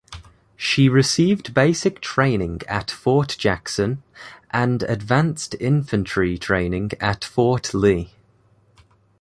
She received basic training at Fort Jackson, and advanced infantry training at Fort Lee.